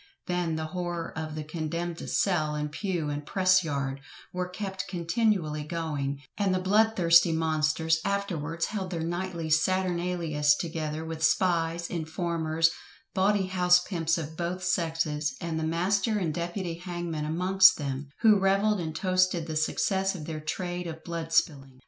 Then the horror of the "condemned cell, and pew, and press yard" were kept continually going, and the blood thirsty monsters afterwards held their nightly saturnalias together, with spies, informers, bawdy house pimps of both sexes, and the master and deputy hangman amongst them; who revelled and toasted the success of their trade of blood spilling.